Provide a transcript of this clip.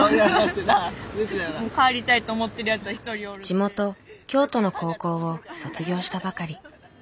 地元京都の高校を卒業したばかり。